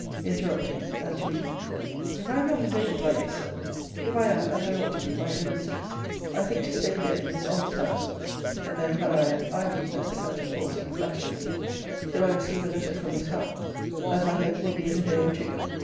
[Interrupting; and to me,] If I am not invaded by you, Sir; if I am, (as I ought to be,) my own mistress, I think to stay here, in this honest house, [and then had I an eye beam, as the Captain calls it, flashed at me,] till I receive a letter from Miss Howe. That, I hope, will be in a day or two.